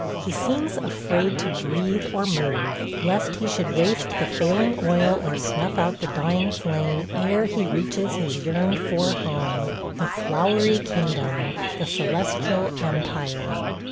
He seems afraid to breath or move, lest he should waste the failing oil or snuff out the dying flame ere he reaches his yearned for home – the Flowery Kingdom – the Celestial Empire!